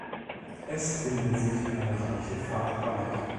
Es findet sich eine reiche Farbpalette.